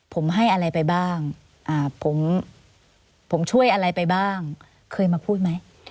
ผมให้อะไรไปบ้างผมช่วยอะไรไปบ้างเคยมาพูดไหม